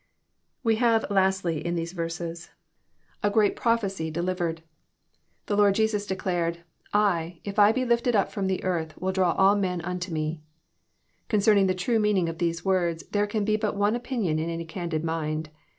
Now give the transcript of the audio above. We have, lastly, in these verses, a great prophecy I JOHN 9 CHAP. xn. 345 delivered. The Lord Jesns declared, " I, if I be lifted up from the earth, will draw all men unto me/' Concerning the true meaning of these words there can be but one opinion in any candid mind.